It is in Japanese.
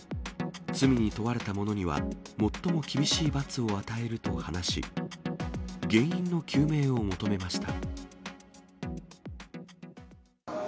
罪に問われた者には最も厳しい罰を与えると話し、原因の究明を求めました。